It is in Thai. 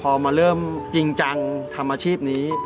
พอมาเริ่มจริงจังทำอาชีพนี้